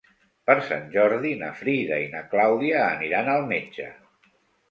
Per Sant Jordi na Frida i na Clàudia aniran al metge.